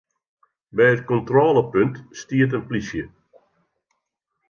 By it kontrôlepunt stiet in plysje.